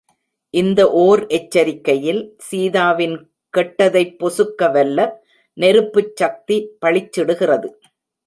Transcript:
இந்த ஓர் எச்சரிக்கையில், சீதாவின் கெட்டதைப் பொசுக்கவல்ல நெருப்புச் சக்தி பளிச்சிடுகிறது!